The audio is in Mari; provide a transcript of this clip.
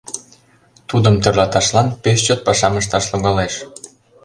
Тудым тӧрлаташлан пеш чот пашам ышташ логалеш.